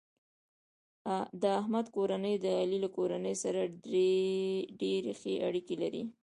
د احمد کورنۍ د علي له کورنۍ سره ډېرې ښې اړیکې لري.